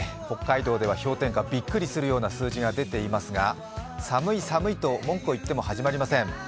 北海道では氷点下びっくりするような数字が出ていますが寒い、寒いと文句を言っても始まりません。